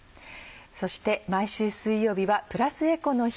そして毎週水曜日はプラスエコの日。